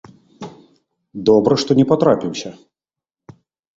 Добра, што не патрапіўся.